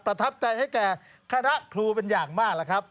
ประทับใจให้แก่คณะครูเป็นอย่างมากล่ะครับ